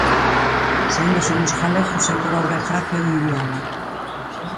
Se aínda somos galegos é por obra e gracia do idioma